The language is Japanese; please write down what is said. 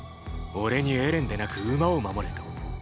俺にエレンでなく馬を守れと？